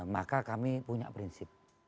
maka kami punya prinsip